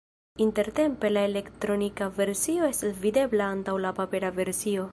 Intertempe la elektronika versio estas videbla antaŭ la papera versio.